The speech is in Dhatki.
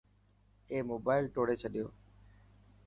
اي موبائل ٽوڙي ڇڏيو.